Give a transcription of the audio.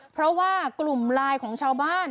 เพราะว่ากลุ่มไลน์ของชาวบ้าน